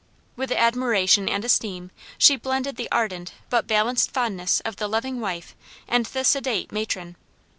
With admiration and esteem she blended the ardent but balanced fondness of the loving wife and the sedate matron.